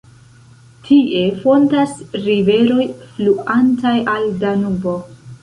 Tie fontas riveroj fluantaj al Danubo.